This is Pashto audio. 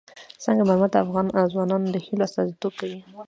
سنگ مرمر د افغان ځوانانو د هیلو استازیتوب کوي.